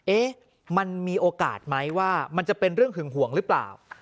เอ๊ะมันมีโอกาสไหมว่ามันจะเป็นเรื่องหึงห่วงหรือเปล่า